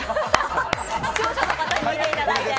視聴者の方に見ていただいて。